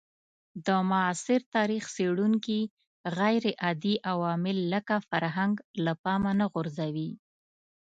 د معاصر تاریخ څېړونکي غیرمادي عوامل لکه فرهنګ له پامه نه غورځوي.